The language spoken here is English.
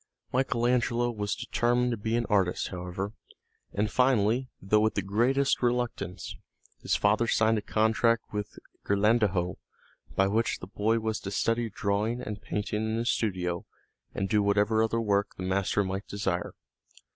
Michael Angelo was determined to be an artist, however, and finally, though with the greatest reluctance, his father signed a contract with Ghirlandajo by which the boy was to study drawing and painting in his studio and do whatever other work the master might desire.